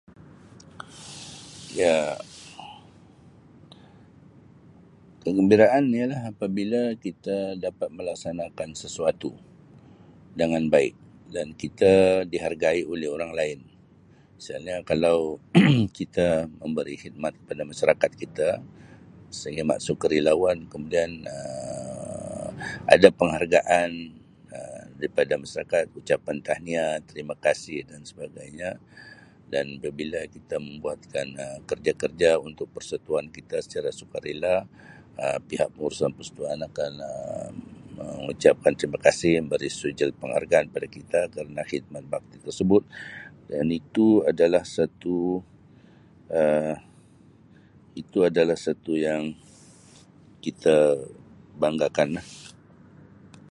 Ya, kegembiraan ialah apabila kita dapat melaksanakan sesuatu dengan baik dan kita dihargai oleh orang lain misalnya kalau kita memberi khidmat kepada masyarakat kita [unintelligible] sukarelawan kemudian Um ada penghargaan Um daripada masyarakat ucapan tahniah terima kasih dan sebagainya dan apabila kita membuatkan kerja-kerja untuk persatuan kita secara sukarela Um pihak pengurusan persatuan akan Um mengucapkan terima kasih memberi sijil penghargaan kepada kita kerna khidmat bakti tersebut dan itu adalah satu Um itu adalah satu yang kita banggakan lah.